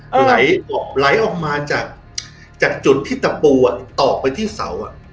ไหลออกไหลออกมาจากจุดที่ตะปูตอกไปที่เสา